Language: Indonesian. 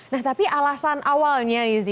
nah tapi alasan awalnya yuzi